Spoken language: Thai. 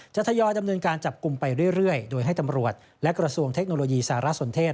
ทยอยดำเนินการจับกลุ่มไปเรื่อยโดยให้ตำรวจและกระทรวงเทคโนโลยีสารสนเทศ